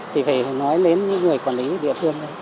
thì phải nói đến những người quản lý địa phương